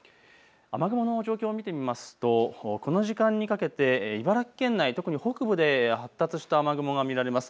雨雲の状況を見てみますとこの時間にかけて茨城県内特に北部で発達した雨雲が見られます。